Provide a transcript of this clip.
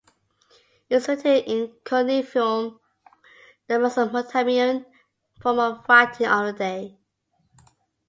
It was written in cuneiform, the Mesopotamian form of writing of the day.